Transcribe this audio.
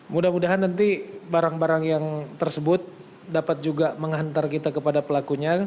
mudah mudahan nanti barang barang yang tersebut dapat juga menghantar kita kepada pelakunya